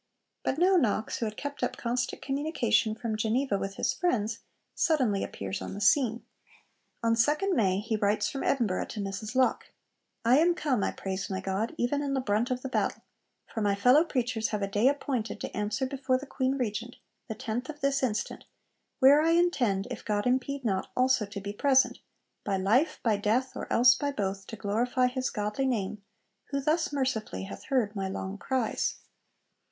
But now Knox, who had kept up constant communication from Geneva with his friends, suddenly appears on the scene. On 2d May he writes from Edinburgh to Mrs Locke: 'I am come, I praise my God, even in the brunt of the battle: for my fellow preachers have a day appointed to answer before the Queen Regent, the 10th of this instant, where I intend, if God impede not, also to be present: by life, by death, or else by both, to glorify His godly name, who thus mercifully hath heard my long cries.'